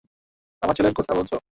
আমার ছেলের কথা বলছ?